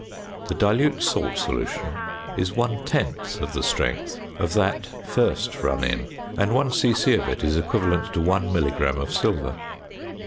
The dilute salt solution is one tenth of the strength of that first run in, and 1 c.c. of it is equivalent to 1 milligram of silver.